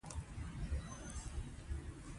بيا د هغې مسئلې ښکار وي